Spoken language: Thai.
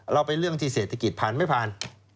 เป็นเรื่องที่เศรษฐกิจผ่านไม่ผ่าน